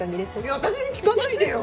私に聞かないでよ！